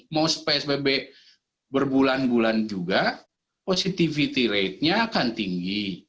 mau psbb berbulan bulan juga positivity ratenya akan tinggi